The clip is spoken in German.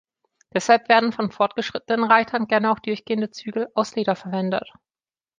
Deshalb werden von fortgeschrittenen Reitern gerne durchgehende Zügel aus Leder verwendet.